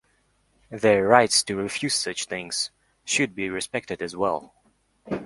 Their rights to refuse such things should be respected as well.